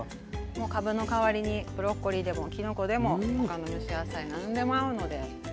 もうかぶの代わりにブロッコリーでもきのこでも他の蒸し野菜何でも合うのでいろいろつくってみて下さい。